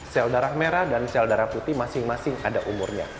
sel darah merah dan sel darah putih masing masing ada umurnya